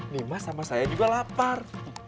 nimas sama saya juga lapar